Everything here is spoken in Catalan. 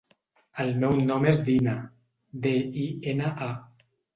El meu nom és Dina: de, i, ena, a.